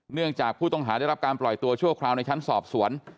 เนื่องจากผู้ต้องหาได้รับการปล่อยตัวชั่วคราวในชั้นสอบสวน